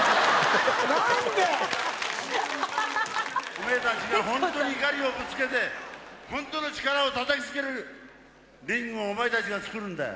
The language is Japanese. おめえたちが本当に怒りをぶつけて本当の力をたたきつけられるリングをお前たちが作るんだよ。